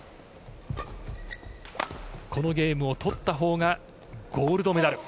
このゲームを取ったほうがゴールドメダル。